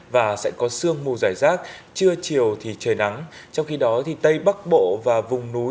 và sẽ có sương mù giải rác trưa chiều thì trời nắng trong khi đó thì tây bắc bộ và vùng núi